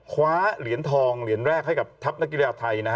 คว้าเหรียญทองเหรียญแรกให้กับทัพนักกีฬาไทยนะฮะ